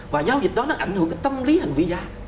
và giao dịch đó nó ảnh hưởng cái tâm lý hành vi giá